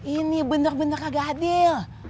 ini bener bener kagak adil